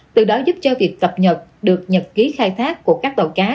từ đó giúp cho việc cập nhật được nhật ký khai thác của các tàu cá